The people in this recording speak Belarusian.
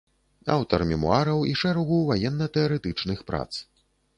Аўтар мемуараў і шэрагу ваенна-тэарэтычных прац.